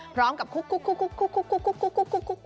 พร้อมกับคุก